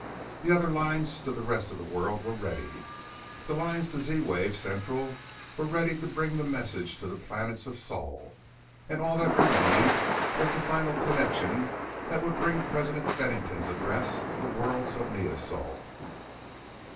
The other lines to the rest of the world were ready. The lines to Z wave Central were ready to bring the message to the planets of Sol and all that remained was the final connection that would bring President Bennington's address to the worlds of Neosol.